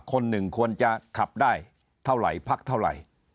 คนหนึ่งควรจะขับได้เท่าไหร่พักเท่าไหร่